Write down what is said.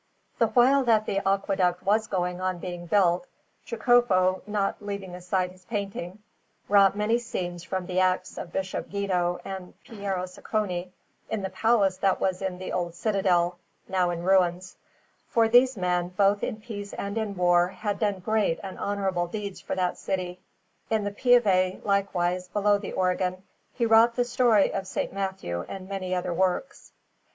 The while that the aqueduct was going on being built, Jacopo, not leaving aside his painting, wrought many scenes from the acts of Bishop Guido and Piero Sacconi in the palace that was in the old citadel, now in ruins; for these men, both in peace and in war, had done great and honourable deeds for that city. In the Pieve, likewise, below the organ, he wrought the story of S. Matthew and many other works.